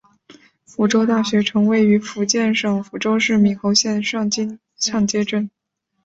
福州大学城位于福建省福州市闽侯县上街镇。